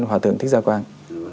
hòa thượng thích gia quang